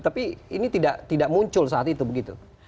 tapi ini tidak muncul saat itu begitu